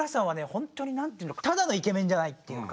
ほんとになんていうのただのイケメンじゃないっていうか。